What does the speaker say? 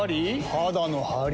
肌のハリ？